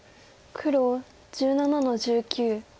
黒１７の十九。